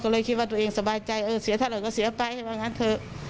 ก็เลยคิดว่าตัวเองสบายใจเออเสียเท่าไหร่ก็เสียไปว่างั้นเถอะ